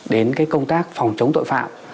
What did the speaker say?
đến cái công tác phòng chống tội phạm